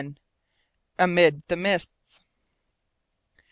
AMID THE MISTS.